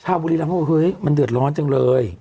บุรีรำเขาบอกเฮ้ยมันเดือดร้อนจังเลย